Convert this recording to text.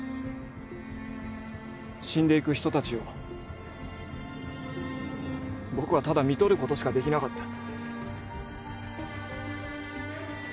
死んでいく人たちを僕はただ看取る事しかできなかった。